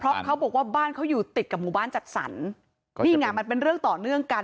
เพราะเขาบอกว่าบ้านเขาอยู่ติดกับหมู่บ้านจัดสรรนี่ไงมันเป็นเรื่องต่อเนื่องกัน